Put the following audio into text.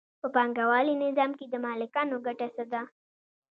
په پانګوالي نظام کې د مالکانو ګټه څه ده